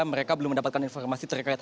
mereka belum mendapatkan informasi terkait